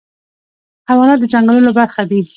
حیوانات د ځنګلونو برخه دي.